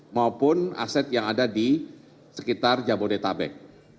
maupun aset yang ada di sekitar jabodetabek